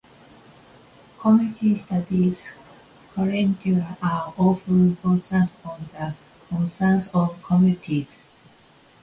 Community studies curricula are often centered on the "concerns" of communities.